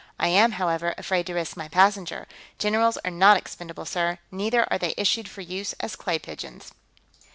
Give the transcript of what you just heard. "I am, however, afraid to risk my passenger. Generals are not expendable, sir; neither are they issued for use as clay pigeons."